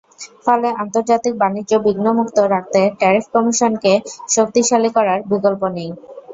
ফলে আন্তর্জাতিক বাণিজ্য বিঘ্নমুক্ত রাখতে ট্যারিফ কমিশনকে শক্তিশালী করার বিকল্প নেই।